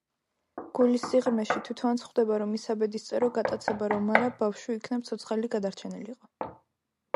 გულის სიღრმეში, თვითონაც ხვდება, რომ ის საბედისწერო გატაცება რომ არა, ბავშვი იქნებ ცოცხალი გადარჩენილიყო.